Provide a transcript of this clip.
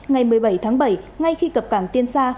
ngày một mươi bảy tháng bảy ngay khi cập cảng tiên sa